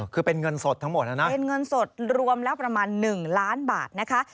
คือเป็นเงินสดทั้งหมดนะนะเป็นเงินสดรวมแล้วประมาณ๑ล้านบาทนะคะ